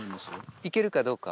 いけるかどうか？